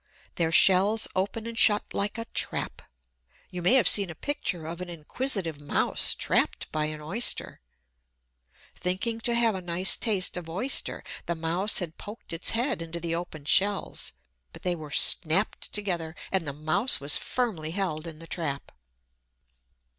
Their shells open and shut like a trap. You may have seen a picture of an inquisitive mouse trapped by an Oyster. Thinking to have a nice taste of Oyster, the mouse had poked its head into the open shells, but they were snapped together, and the mouse was firmly held in the trap.